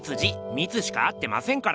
「ミツ」しか合ってませんから。